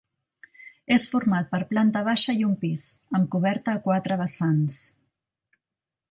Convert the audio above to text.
És format per planta baixa i un pis, amb coberta a quatre vessants.